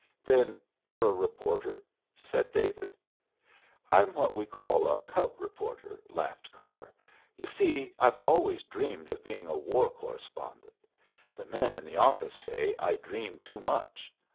"Then you're a reporter?" said David. "I'm what we call a cub reporter," laughed Carr. "You see, I've always dreamed of being a war correspondent. The men in the office say I dream too much.